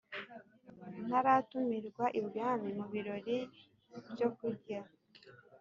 ntaratumirwa ibwami mu birori byo kurya,